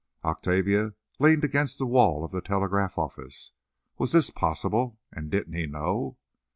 Octavia leaned against the wall of the telegraph office. Was this possible? And didn't he know?